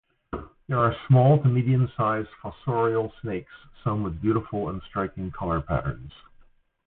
These are small to medium-sized fossorial snakes, some with beautiful and striking color patterns.